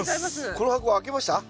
この箱開けました？